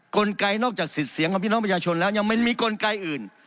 กลไกนอกจากสิทธิ์เสียงของพี่น้องประชาชนแล้วยังไม่มีกลไกอื่น